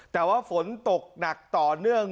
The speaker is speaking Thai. แต่ว่าฝนตกหนักต่อเนื่อง